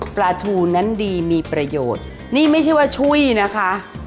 ปลาทูนั้นดีมีประโยชน์นี่ไม่ใช่ว่าช่วยนะคะ